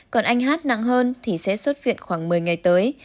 còn anh hát nặng hơn thì sẽ xuất viện khoảng một mươi ngày tới